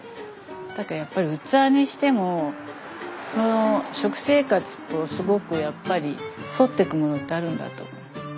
だからやっぱり器にしてもその食生活とすごくやっぱり沿ってくものってあるんだと思う。